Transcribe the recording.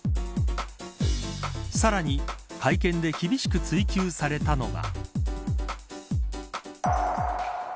さらに会見で厳しく追及されたのが。